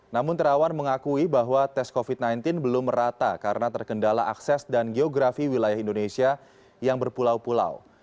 namun terawan mengakui bahwa tes covid sembilan belas belum rata karena terkendala akses dan geografi wilayah indonesia yang berpulau pulau